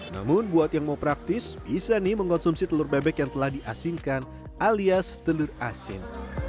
namun buat yang mau praktis bisa mengonsumsi telur bebek yang telah diasingkan alias telur asin